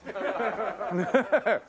ねえ。